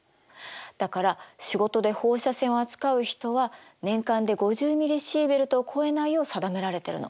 だから仕事で放射線を扱う人は年間で５０ミリシーベルトを超えないよう定められてるの。